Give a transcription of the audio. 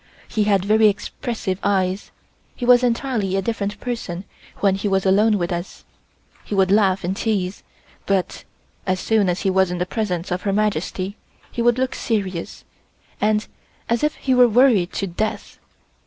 He had very expressive eyes. He was entirely a different person when he was alone with us. He would laugh and tease, but as soon as he was in the presence of Her Majesty he would look serious, and as if he were worried to death.